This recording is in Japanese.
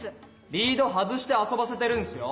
リード外して遊ばせてるんすよ。